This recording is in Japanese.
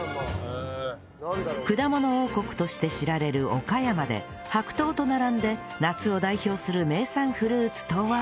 くだもの王国として知られる岡山で白桃と並んで夏を代表する名産フルーツとは